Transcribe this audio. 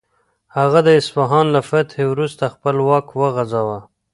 هغه د اصفهان له فتحې وروسته خپل واک وغځاوه.